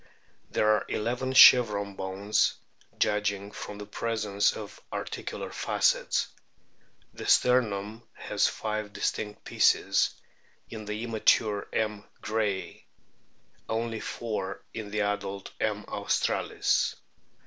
There are eleven chevron bones, judging from the presence of articular facets. The sternum has five distinct pieces in the immature M. grayi ; only four in the adult M. australis.